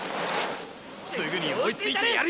すぐに追いついたる。